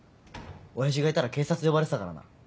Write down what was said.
親父がいたら警察呼ばれてたからな。